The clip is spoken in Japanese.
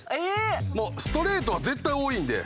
もうストレートは絶対多いんで。